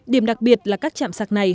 điểm đặc biệt là các chạm sạc này